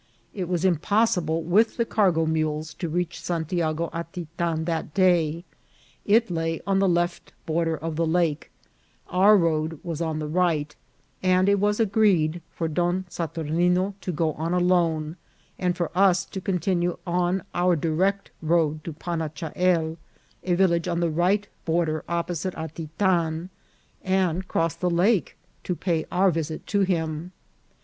It was impossible, with the cargo mules, to reach Santiago Atitan that day ; it lay on the left bor der of the lake ; our road was on the right, and it was agreed for Don Saturnine to go on alone, and for us to continue on our direct road to Panachahel, a vil lage on the right border opposite Atitan, and cross the lake to pay our visit to him.